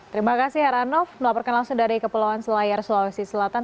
terima kasih heranov melaporkan langsung dari kepulauan selayar sulawesi selatan